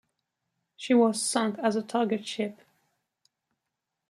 She was sunk as a target ship.